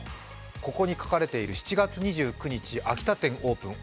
ここに書かれている７月２９日、秋田店オープン。